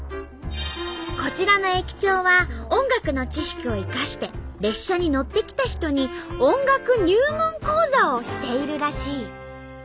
こちらの駅長は音楽の知識を生かして列車に乗ってきた人に「音楽入門講座」をしているらしい。